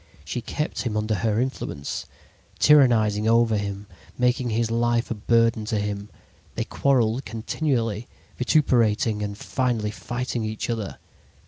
She kept him under her influence, tyrannizing over him, making his life a burden to him. They quarreled continually, vituperating and finally fighting each other.